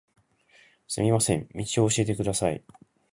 すみません、道を教えてください。